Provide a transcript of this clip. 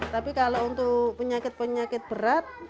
tapi kalau untuk penyakit penyakit berat